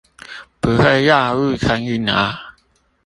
不會藥物成癮啊？